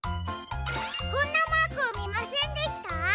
こんなマークをみませんでした？